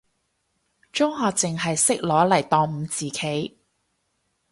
中學淨係識攞嚟當五子棋，